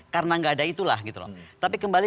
karena nggak ada itulah tapi kembali